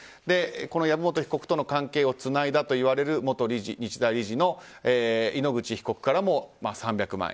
籔本被告との関係をつないだといわれる元日大理事の井ノ口被告からも３００万円。